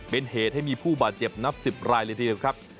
เป็นเหตุให้มีผู้บาดเจ็บนับ๑๐รายเลยทีเดียวครับ